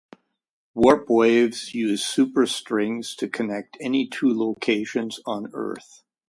Warp Waves use superstrings to connect any two locations on Earth.